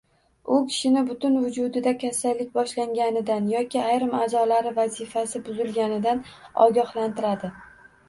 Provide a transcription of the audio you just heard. U kishini butun vujudida kasallik boshlaganidan yoki ayrim a’zolar vazifasi buzilganidan ogohlantiradi